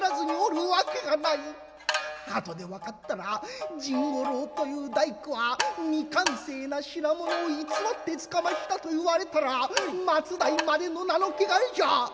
後で分かったら甚五郎という大工は未完成な品物を偽ってつかましたと言われたら末代までの名の汚れじゃ。